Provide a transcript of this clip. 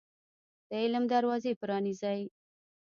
د علم دروازي پرانيزۍ